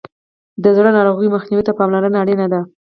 د زړه ناروغیو مخنیوي ته پاملرنه اړینه ده.